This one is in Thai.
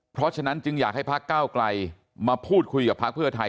เพราะฉะนั้นจึงอยากให้พักเก้าไกลมาพูดคุยกับพักเพื่อไทย